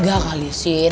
gak kali sih